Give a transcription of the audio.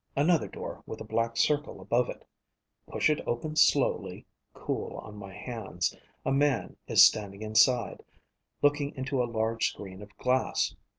Another door with a black circle above it. Push it open slowly, cool on my hands. A man is standing inside, looking into a large screen of glass.